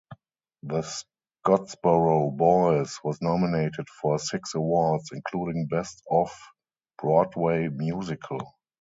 "The Scottsboro Boys" was nominated for six awards, including Best Off-Broadway musical.